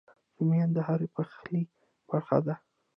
رومیان د هر پخلي برخه دي